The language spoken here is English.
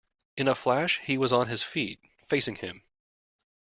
In a flash he was on his feet, facing him.